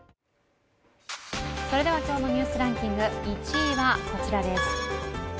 それでは今日の「Ｎスタ・ニュースランキング」１位はこちらです。